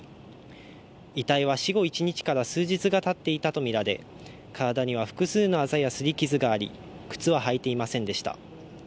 遺体は死後一日から数日がたっていたとみられ体には複数のあざやすり傷があり靴は履いていませんでした。